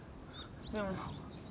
でも。